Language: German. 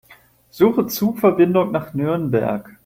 Suche Zugverbindungen nach Nürnberg.